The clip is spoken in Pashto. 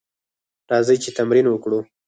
راځئ چې تمرین وکړو: